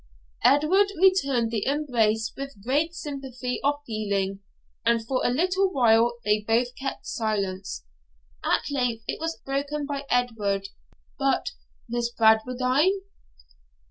Edward returned the embrace with great sympathy of feeling, and for a little while they both kept silence. At length it was broken by Edward. 'But Miss Bradwardine?'